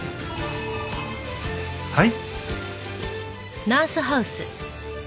はい。